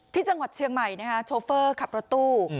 ที่จังหวัดเชียงใหม่โชเฟอร์ขับรถตู้